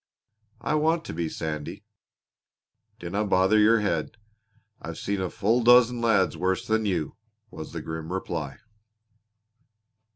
"I want to be, Sandy." "Dinna bother your head. I've seen full a dozen lads worse than you!" was the grim reply.